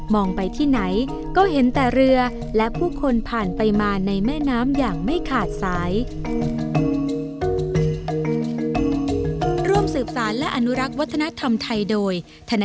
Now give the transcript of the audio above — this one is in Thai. ไปที่ไหนก็เห็นแต่เรือและผู้คนผ่านไปมาในแม่น้ำอย่างไม่ขาดสาย